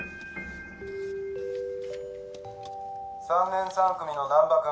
３年３組の難破君。